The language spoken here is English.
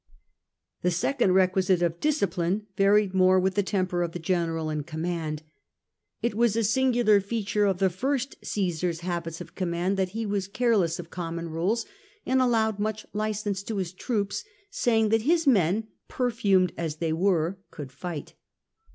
The second requisite of discipline varied more with The Frontiers and the Army, 21 1 the temper of the general in command. It was a singular feature of the first Caesar's habits of command that he was careless of common rules, and and disci allowed much license to his troops, saying that * his men, perfumed as they were, could fight.